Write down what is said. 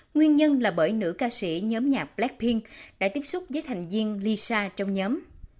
nguyên nhân là bởi nữ ca sĩ nhóm nhạc blackpink đã tiếp xúc với thành viên lisa trong nhóm